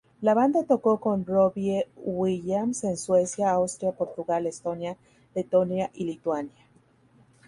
La banda tocó con Robbie Williams en Suecia, Austria, Portugal, Estonia, Letonia y Lituania.